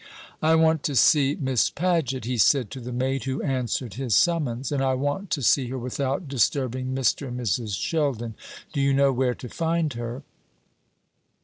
"I want to see Miss Paget," he said to the maid who answered his summons; "and I want to see her without disturbing Mr. and Mrs. Sheldon. Do you know where to find her?"